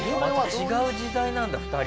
違う時代なんだ２人が。